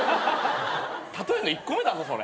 例えるの１個目だぞそれ。